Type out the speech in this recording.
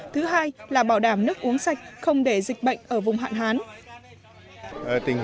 thứ hai là bảo đảm nước uống sạch không để dịch bệnh ở vùng hạn hán